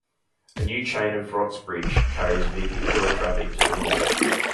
A new Chain of Rocks Bridge carries vehicular traffic to the north.